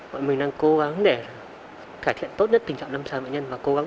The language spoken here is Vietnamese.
mọi người đang cố gắng để cải thiện tốt nhất tình trạng năm sáu bệnh nhân